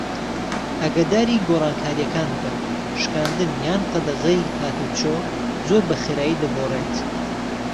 ئاگاداری گۆڕانکارییەکان بە - شکاندن یان قەدەغەی هاتووچۆ زۆر بەخێرایی دەگۆڕێت.